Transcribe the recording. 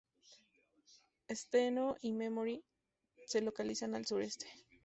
Steno y Emory se localizan al sureste.